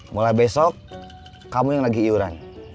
mulai besok kamu yang lagi iuran